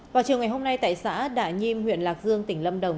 vào chiều ngày hôm nay tại xã đà nhiêm huyện lạc dương tỉnh lâm đồng